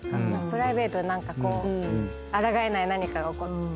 プライベートで何かこうあらがえない何かが起こって。